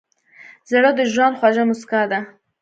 زړه د ژوند خوږه موسکا ده.